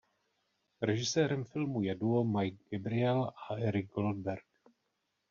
Režisérem filmu je duo Mike Gabriel a Eric Goldberg.